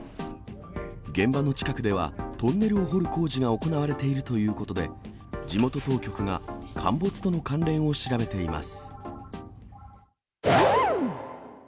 現場の近くでは、トンネルを掘る工事が行われているということで、地元当局が陥没との関連を調べています。